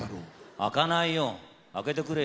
「開かないよ。開けてくれよ」。